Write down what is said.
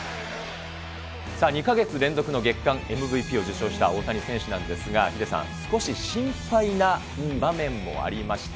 さあ、２か月連続の月間ＭＶＰを受賞した大谷選手なんですが、ヒデさん、少し心配な場面もありました。